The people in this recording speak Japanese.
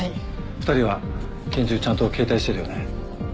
２人は拳銃ちゃんと携帯してるよね？